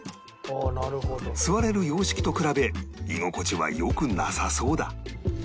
座れる洋式と比べ居心地は良くなさそうだ